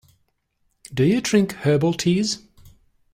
Do you drink herbal teas?